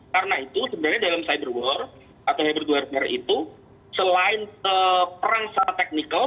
karena itu sebenarnya di cyber war atau yg itu selain perang secara teknikal